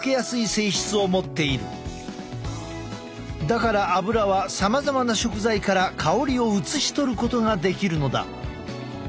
だからアブラはさまざまな食材から香りを移しとることができるのだ。